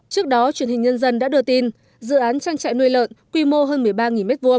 trước đó truyền hình nhân dân đã đưa tin dự án trang trại nuôi lợn quy mô hơn một mươi ba m hai